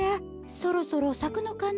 そろそろさくのかなって。